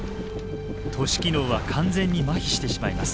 都市機能は完全にまひしてしまいます。